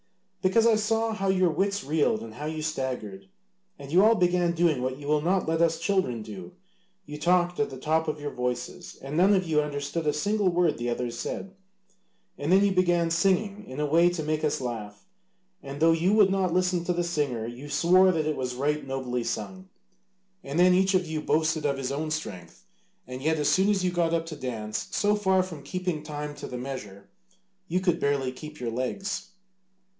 "Because I saw how your wits reeled and how you staggered; and you all began doing what you will not let us children do you talked at the top of your voices, and none of you understood a single word the others said, and then you began singing in a way to make us laugh, and though you would not listen to the singer you swore that it was right nobly sung, and then each of you boasted of his own strength, and yet as soon as you got up to dance, so far from keeping time to the measure, you could barely keep your legs.